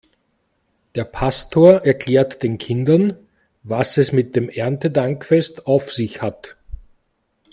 Der Pastor erklärt den Kindern, was es mit dem Erntedankfest auf sich hat.